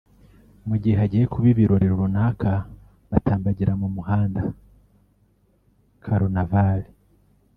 mu gihe hagiye kuba ibirori runaka batambagira mu muhanda (carnaval)